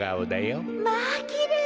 まあきれい。